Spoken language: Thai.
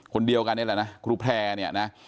คนเดียวกันนี่แหละนะครูแพร่เนี่ยนะ